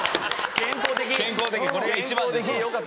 健康的これが一番です。